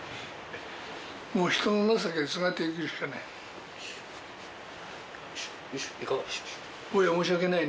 もう人の情けにすがって生きるしかない。